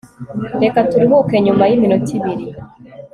reka turuhuke nyuma y iminota ibiri